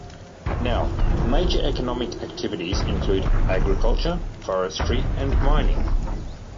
Now, major economic activities include agriculture, forestry, and mining.